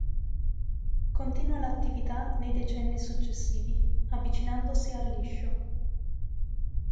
Continua l'attività nei decenni successivi, avvicinandosi al liscio.